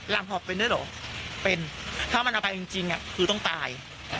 ลั่งถอดเป็นได้หรอเป็นถ้ามันเอาไปจริงคือต้องตาย